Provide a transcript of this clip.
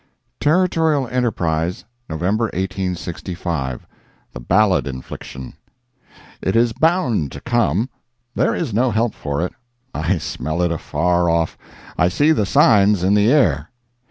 Territorial Enterprise, November 1865 THE BALLAD INFLICTION It is bound to come! There is no help for it. I smell it afar off—I see the signs in the air!